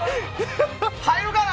入るかな。